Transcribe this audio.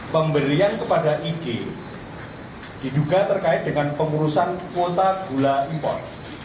pemberian kepada ig diduga terkait dengan pengurusan kuota gula impor